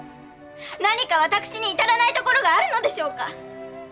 何か私に至らないところがあるのでしょうか？